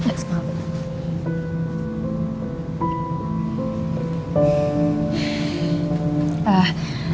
ingat gak semalem